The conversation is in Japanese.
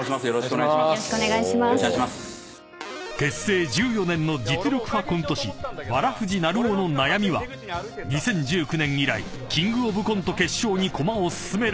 ［結成１４年の実力派コント師わらふぢなるおの悩みは２０１９年以来キングオブコント決勝に駒を進められないこと］